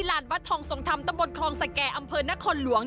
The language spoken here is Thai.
ต่นห้ามสามีแล้วเพราะไม่อยากมีเรื่องแต่สุดท้ายสามีไม่เชื่อจึงเกิดเหตุจนได้